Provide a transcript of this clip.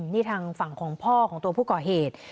นี่ทางฝั่งของพ่อของตัวผู้ก่อเหตุ